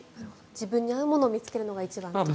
自分に合うものを見つけるのが一番と。